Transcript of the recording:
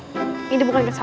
kiranya tidak dipakai